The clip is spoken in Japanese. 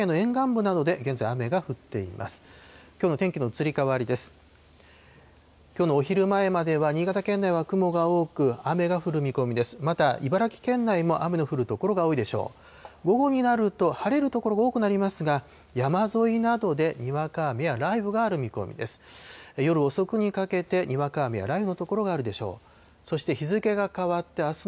午後になると、晴れる所が多くなりますが、山沿いなどでにわか雨や雷雨がある見込みです。